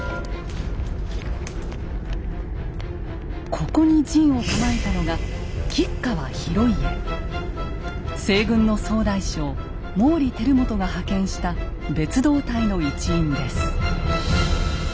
ここに陣を構えたのが西軍の総大将毛利輝元が派遣した別動隊の一員です。